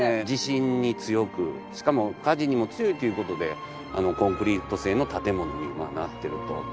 地震に強くしかも火事にも強いという事でコンクリート製の建物になっていると。